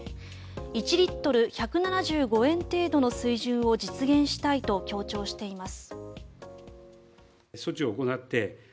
１リットル１７５円程度の水準を実現したいと強調しています。